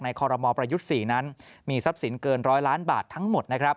คอรมอประยุทธ์๔นั้นมีทรัพย์สินเกิน๑๐๐ล้านบาททั้งหมดนะครับ